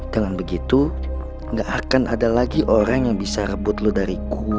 dengan begitu gak akan ada lagi orang yang bisa rebut lo dari gue